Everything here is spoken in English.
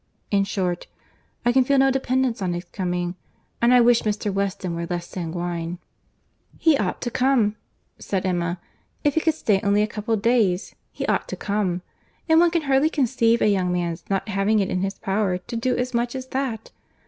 In short, I can feel no dependence on his coming, and I wish Mr. Weston were less sanguine." "He ought to come," said Emma. "If he could stay only a couple of days, he ought to come; and one can hardly conceive a young man's not having it in his power to do as much as that.